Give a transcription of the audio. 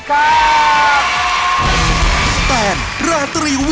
ขอบคุณครับ